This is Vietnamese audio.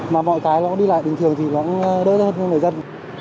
mà mọi cái nó đi lại bình thường thì nó cũng đớn hơn người dân